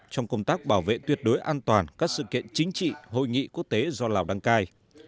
trong công tác bảo vệ tuyệt đối an toàn các sự kiện chính trị hội nghị quốc tế do lào đăng cai